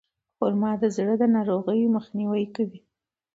خرما د زړه د ناروغیو مخنیوی کوي.